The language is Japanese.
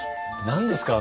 何ですか？